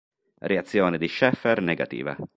Reazione di Schaeffer negativa.